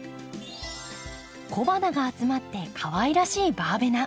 小花が集まってかわいらしいバーベナ。